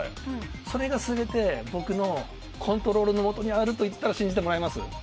それが全て僕のコントロールのもとにあると言ったら信じてもらえます？